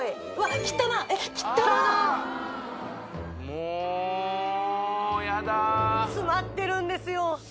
もうやだ詰まってるんですよ